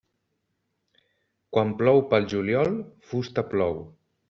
Quan plou pel juliol, fusta plou.